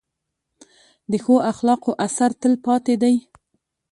د ښو اخلاقو اثر تل پاتې دی.